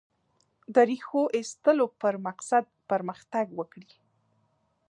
د ریښو ایستلو په مقصد پرمختګ وکړي.